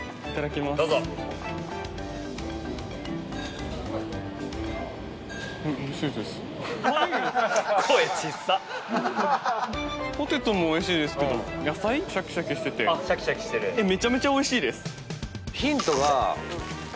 どうぞポテトもおいしいですけど野菜シャキシャキしててシャキシャキしてるめちゃめちゃおいしいです